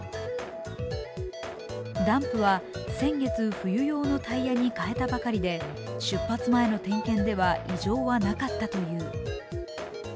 ダンプは先月、冬用のタイヤにかえたばかりで、出発前の点検では異常はなかったという。